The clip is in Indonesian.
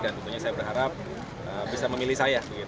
dan tentunya saya berharap bisa memilih saya